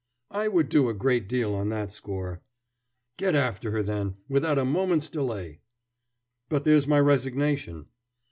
"I would do a great deal on that score." "Get after her, then, without a moment's delay." "But there's my resignation."